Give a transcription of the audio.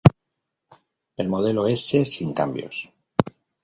El modelo S sin cambios.